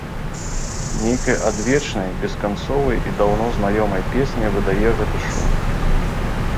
Нейкай адвечнай, бесканцовай і даўно знаёмай песняй выдае гэты шум.